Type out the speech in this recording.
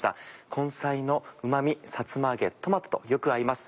根菜のうま味さつま揚げトマトとよく合います。